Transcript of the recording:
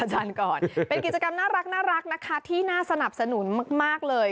จันทร์ก่อนเป็นกิจกรรมน่ารักนะคะที่น่าสนับสนุนมากเลย